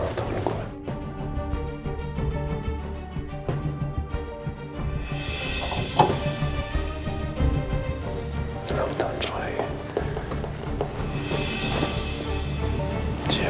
apa besok gue tanya mama aja